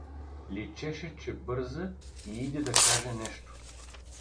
Личеше, че бърза и иде да каже нещо.